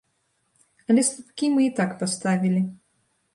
Але слупкі мы і так паставілі.